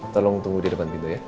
tolong tunggu di depan pintu ya